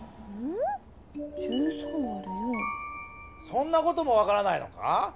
そんなこともわからないのか？